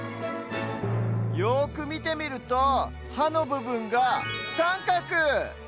よくみてみるとはのぶぶんがさんかく！